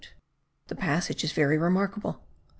The passage is very remarkable.